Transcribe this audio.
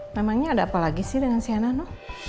memangnya ada apa lagi sih dengan sienna no